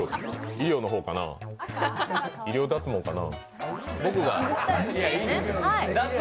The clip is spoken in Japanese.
医療の方かな、医療脱毛かな？